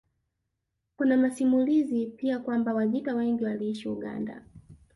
Kuna masimulizi pia kwamba Wajita wengi waliishi Uganda